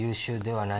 はい。